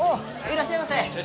いらっしゃいませ。